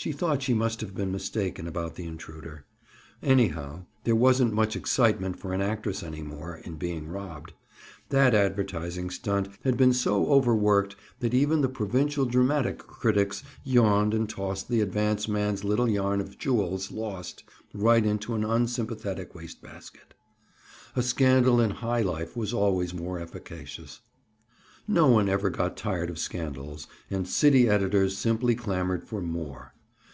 She thought she must have been mistaken about the intruder. Anyhow, there wasn't much excitement for an actress any more, in being robbed. That advertising stunt had been so overworked that even the provincial dramatic critics yawned and tossed the advance man's little yarn of "jewels lost" right into an unsympathetic waste basket. A scandal in high life was always more efficacious. No one ever got tired of scandals and city editors simply clamored for "more."